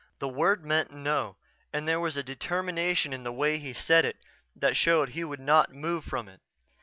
The word meant "No" and there was a determination in the way he said it that showed he would not move from it.